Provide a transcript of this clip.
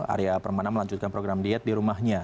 arya permana melanjutkan program diet di rumahnya